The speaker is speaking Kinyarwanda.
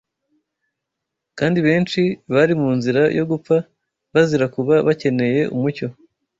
kandi benshi bari mu nzira yo gupfa bazira kuba bakeneye umucyo